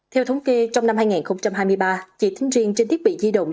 theo thống kê trong năm hai nghìn hai mươi ba chỉ thính riêng trên thiết bị di động